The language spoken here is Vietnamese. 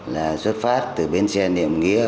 là xuất phát từ bến xe niệm nghĩa